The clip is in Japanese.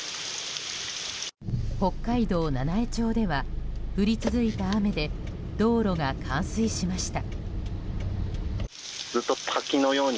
北海道七飯町では降り続いた雨で道路が冠水しました。